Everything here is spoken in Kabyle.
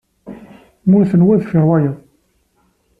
Mmuten wa deffir wayeḍ.